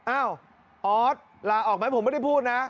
อ้าวออสลาออกไหมผมไม่ได้พูดนะ